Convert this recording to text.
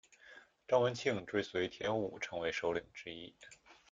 张文庆追随田五成为首领之一。